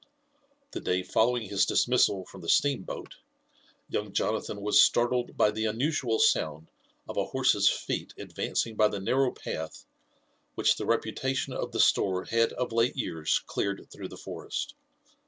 The day following his dismissal from the steam boat, young Jonathan was startled by the unusual sound of a horse's feet advancing by the narrow path which the reputation of the store had of late years cleared through the forest.